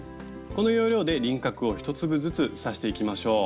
この要領で輪郭を１粒ずつ刺していきましょう。